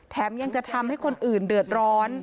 ยังจะทำให้คนอื่นเดือดร้อน